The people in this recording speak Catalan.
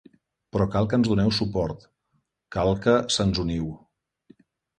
Però cal que ens doneu suport; cal que se'ns uniu.